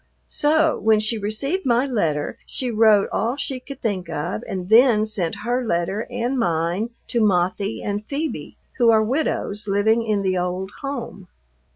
So when she received my letter she wrote all she could think of, and then sent her letter and mine to Mothie and Phoebe, who are widows living in the old home.